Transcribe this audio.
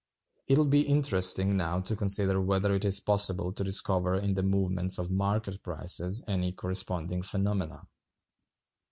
It will be interesting now to consider whether it is possible to discover in the movements of market prices any corresponding phenomena.